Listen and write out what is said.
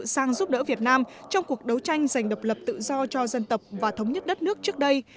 sang giúp đỡ việt nam trong cuộc đấu tranh dành độc lập tự do cho dân tộc và thống nhất đất nước trước đây